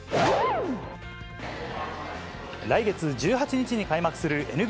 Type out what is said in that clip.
来月１８日に開幕するＮＢＡ。